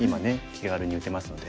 気軽に打てますのでね。